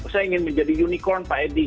saya ingin menjadi unicorn pak edi